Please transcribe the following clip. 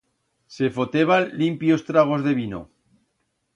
Se foteba limpios tragos de vino.